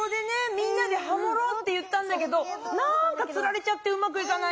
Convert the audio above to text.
みんなでハモろうって言ったんだけどなんかつられちゃってうまくいかないのよ。